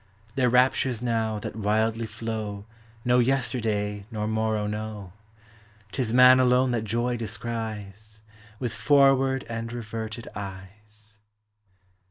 19 Their raptures now that wildly flow No yesterday nor morrow know ;? T is Man alone that joy descries With forward and reverted eyes.